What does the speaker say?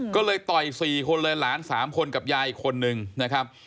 ก็เลยต่อย๔คนเลยหลาน๓คนกับยายอีกคนนึงนะครับ